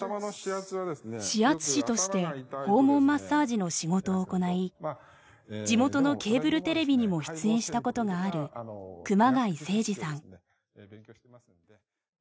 指圧師として訪問マッサージの仕事を行い地元のケーブルテレビにも出演したことがある熊谷誠司さん。